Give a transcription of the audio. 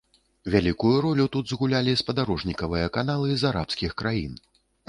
Вялікую ролю тут згулялі спадарожнікавыя каналы з арабскіх краін.